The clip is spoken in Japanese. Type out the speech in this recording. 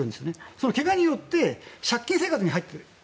そのけがによって借金生活に入っている。